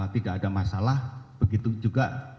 tidak ada masalah begitu juga